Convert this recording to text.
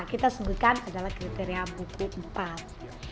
kita sebutkan adalah kriteria buku empat